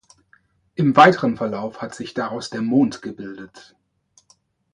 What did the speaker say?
Im weiteren Verlauf hat sich daraus der Mond gebildet.